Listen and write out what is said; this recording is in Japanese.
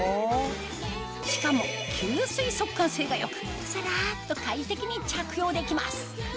しかも吸水速乾性がよくサラっと快適に着用できます